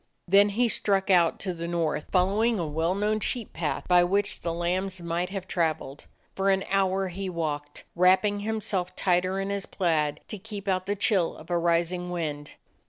Then he struck out to the north, following a well known sheep path by which the lambs might have traveled. For an hour he walked, wrapping himself tighter in his plaid to keep out the chill of a rising wind.